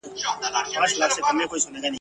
چي جوړ کړی چا خپلوانو ته زندان وي ..